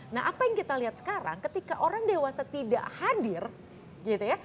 nah apa yang kita lihat sekarang ketika orang dewasa tidak hadir gitu ya